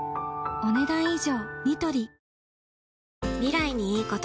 お、ねだん以上。